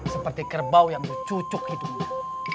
seperti kerbau yang dicucuk hidungnya